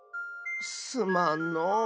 すまんのう。